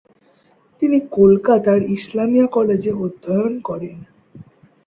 তিনি কলকাতার ইসলামিয়া কলেজে অধ্যয়ন করেন।